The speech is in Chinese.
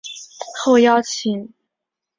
后邀请罽宾三藏弗若多罗至长安传授戒律。